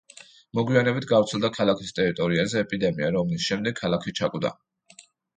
მოგვიანებით გავრცელდა ქალაქის ტერიტორიაზე ეპიდემია, რომლის შემდეგ ქალაქი ჩაკვდა.